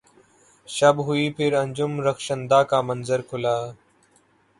شب ہوئی پھر انجم رخشندہ کا منظر کھلا